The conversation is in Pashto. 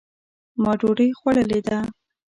ما دوډۍ خوړلې ده